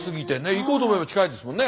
行こうと思えば近いですもんね